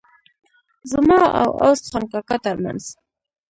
زما او عوض خان کاکا ترمنځ.